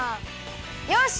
よし！